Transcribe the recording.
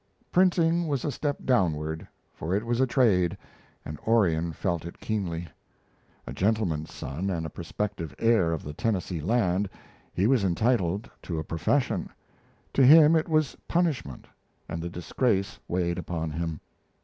Printing was a step downward, for it was a trade, and Orion felt it keenly. A gentleman's son and a prospective heir of the Tennessee land, he was entitled to a profession. To him it was punishment, and the disgrace weighed upon him.